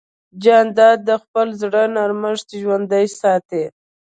جانداد د خپل زړه نرمښت ژوندی ساتي.